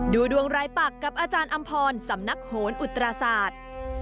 ดูดวงรายปักกับอาจารย์อำพรสำนักโหนอุตราศาสตร์